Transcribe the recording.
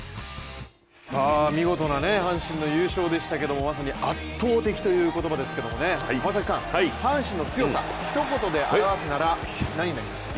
見事な阪神の優勝でしたけれども、まさに圧倒的という言葉ですけれども阪神の強さ、ひと言で表すなら何になりますか？